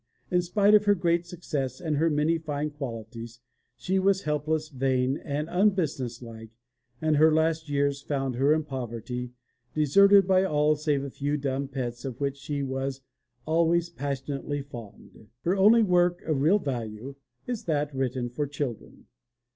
In spite of her great success and her many fine qualities she was helpless, vain, and unbusinesslike and her last years found her in poverty, deserted by all save a few dumb pets of which she was always passionately fond. Her only work of real value is that written for children.